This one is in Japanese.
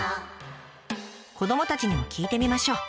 子どもたちにも聞いてみましょう。